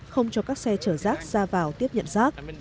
không cho các xe chở rác ra vào tiếp nhận rác